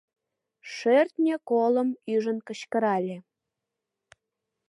Шӧртньӧ колым ӱжын кычкырале